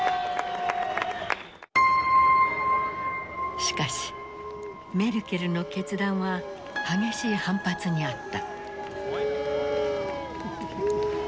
しかしメルケルの決断は激しい反発にあった。